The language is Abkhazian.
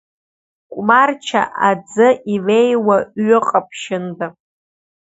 Қәмарча аӡы илеиуа ҩы-ҟаԥшьында!